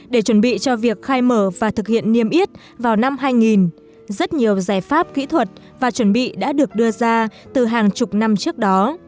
để chuẩn bị cho việc khai mở và thực hiện niêm yết vào năm hai nghìn rất nhiều giải pháp kỹ thuật và chuẩn bị đã được đưa ra từ hàng chục năm trước đó